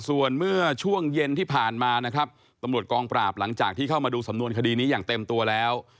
ส่วนเมื่อช่วงเย็นที่ผ่านมานะครับตำรวจกองปราบหลังจากที่เข้ามาดูสำนวนคดีนี้อย่างเต็มตัวแล้ว